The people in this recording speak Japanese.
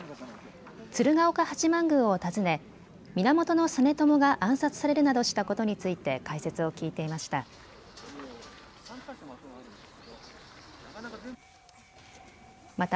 鶴岡八幡宮を訪ね、源実朝が暗殺されるなどしたことについて解説を聞いていました。